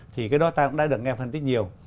thì cái đó ta cũng đã được nghe phân tích nhiều